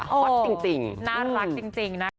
ฮอตจริงน่ารักจริงนะคะ